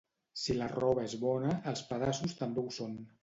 Si la roba és bona, els pedaços també ho són.